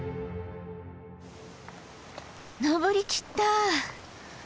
登りきったぁ！